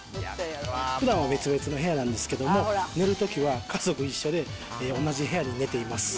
ふだんは別々の部屋なんですけれども、寝るときは家族一緒で、同じ部屋で寝ています。